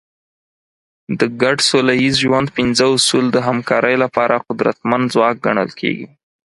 د ګډ سوله ییز ژوند پنځه اصول د همکارۍ لپاره قدرتمند ځواک ګڼل کېږي.